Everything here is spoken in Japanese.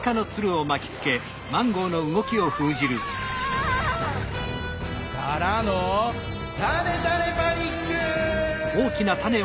うわ！からのタネタネ・パニック！